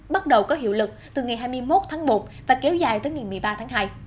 bắt đầu có hiệu lực từ ngày hai mươi một tháng một và kéo dài tới ngày một mươi ba tháng hai